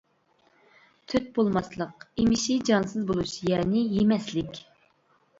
«تۆت بولماسلىق» ئېمىشى جانسىز بولۇش يەنى «يېمەسلىك» .